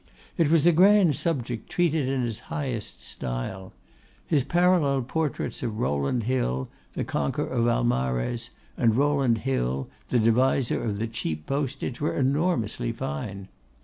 It was a grand subject, treated in his highest style. His parallel portraits of Rowland Hill the conqueror of Almarez and Rowland Hill the deviser of the cheap postage were enormously fine.